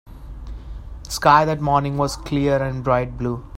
The sky that morning was clear and bright blue.